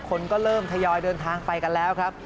คนก็เริ่มทยอยเดินทางไปกันแล้วครับ